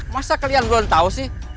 masa kalian belum tahu sih